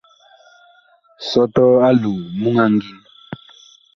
Sɔtɔɔ aloo muŋ a ngin.